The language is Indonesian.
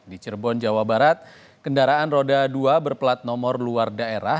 di cirebon jawa barat kendaraan roda dua berplat nomor luar daerah